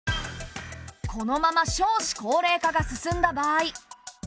このまま少子高齢化が進んだ場合